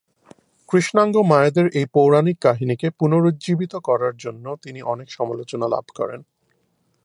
কৃষ্ণাঙ্গ মায়েদের এই পৌরাণিক কাহিনীকে পুনরুজ্জীবিত করার জন্য তিনি অনেক সমালোচনা লাভ করেন।